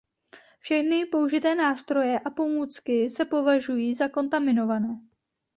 Všechny použité nástroje a pomůcky se považují za kontaminované.